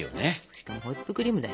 しかもホイップクリームだよ。